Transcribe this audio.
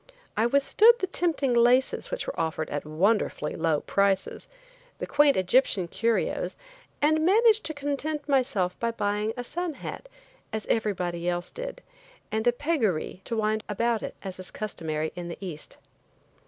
I withstood the tempting laces which were offered at wonderfully low prices, the quaint Egyptian curios, and managed to content myself by buying a sun hat, as everybody else did; and a pugaree to wind about it, as is customary in the East.